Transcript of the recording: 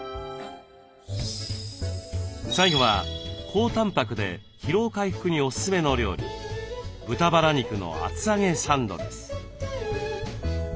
最後は高たんぱくで疲労回復におすすめの料理「豚バラ肉の厚揚げサンド」です。